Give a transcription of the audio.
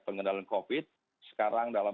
pengendalian covid sekarang dalam